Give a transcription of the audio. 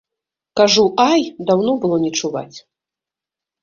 Кажу, ай, даўно было не чуваць.